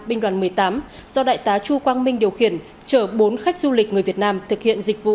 binh đoàn một mươi tám do đại tá chu quang minh điều khiển chở bốn khách du lịch người việt nam thực hiện dịch vụ